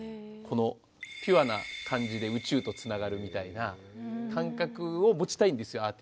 このピュアな感じで宇宙とつながるみたいな感覚を持ちたいんですよ